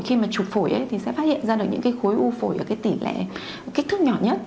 khi mà chụp phổi thì sẽ phát hiện ra được những cái khối u phổi ở cái tỷ lệ kích thước nhỏ nhất